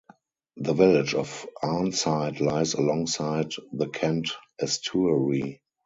The village of Arnside lies alongside the Kent estuary.